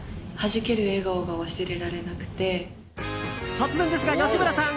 突然ですが、吉村さん。